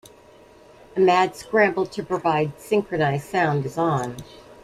A mad scramble to provide synchronized sound is on.